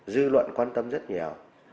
dư luận quan tâm rất nhiều